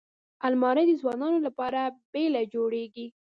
الماري د ځوانو لپاره بېله جوړیږي